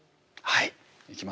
はい！